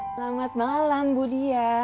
selamat malam budi ya